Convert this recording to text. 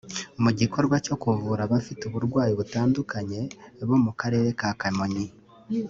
Mu gikorwa cyo kuvura abafite aburwayi butandukanye bo mu Karere ka Kamonyi